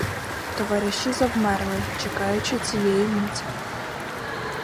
Товариші завмерли, чекаючи цієї миті.